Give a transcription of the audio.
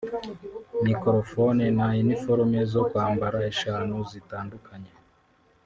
microphones na uniforme zo kwambara eshanu zitandukanye